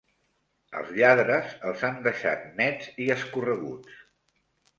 Els lladres els han deixat nets i escorreguts.